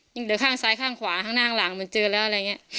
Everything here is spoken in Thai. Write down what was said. เหลือข้างซ้ายข้างขวาข้างหน้าข้างหลังเหมือนเจอแล้วอะไรอย่างนี้